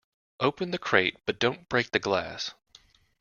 Open the crate but don't break the glass.